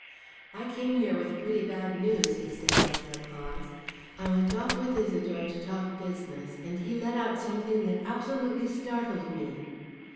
"I came here with pretty bad news," he said, after a pause. "I went off with Isidore to talk business, and he let out something that absolutely startled me."